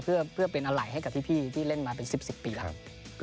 เพื่อเป็นอะไรให้กับพี่ที่เล่นมาเป็น๑๐ปีแล้ว